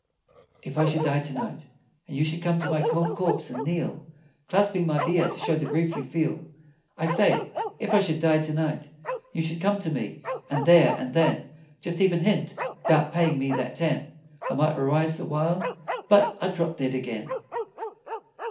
If I should die to night And you should come to my cold corpse and kneel, Clasping my bier to show the grief you feel, I say, if I should die to night And you should come to me, and there and then Just even hint 'bout payin' me that ten, I might arise the while, But I'd drop dead again.